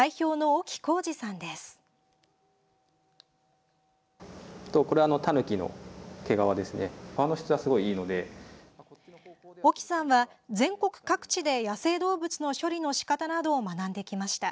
沖さんは全国各地で野生動物の処理の仕方などを学んできました。